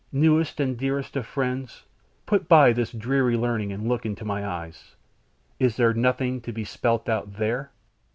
"Newest and dearest of friends, put by this dreary learning and look in my eyes; is there nothing to be spelt out there?"